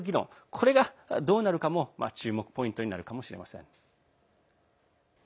これが、どうなるのかも注目ポイントになるかもしれません。